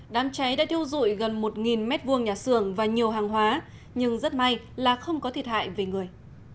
đám cháy đã thiêu dụi gần một m hai nhà xưởng và nhiều hàng hóa nhưng rất may là không có thiệt hại về người